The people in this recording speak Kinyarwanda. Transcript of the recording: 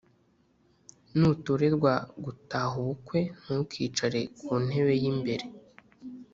Nutorerwa gutaha ubukwe ntukicare ku ntebe y’imbere